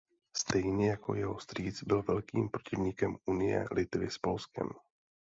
Stejně jako jeho strýc byl velkým protivníkem unie Litvy s Polskem.